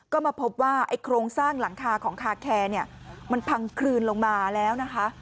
ก็มาพบว่าไอ้โครงสร้างหลังคาของคาแคร์เนี่ยมันพังคลืนลงมาแล้วนะคะ